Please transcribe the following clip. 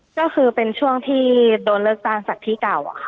ก็คือเป็นช่วงที่โดนเลิกจ้างจากที่เก่าอะค่ะ